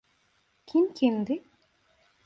Kim kimdi?